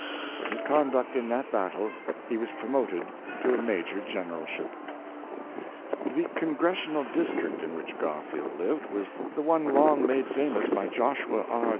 For 17G James A, Garfield, his conduct in that battle he was promoted to a Major Generalship. The Congressional district in which Garfield lived was the one long made famous by Joshua R.